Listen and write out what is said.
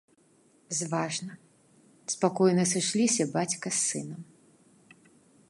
Зважна, спакойна сышліся бацька з сынам.